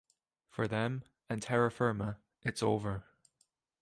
For them and Terra Firma it's over.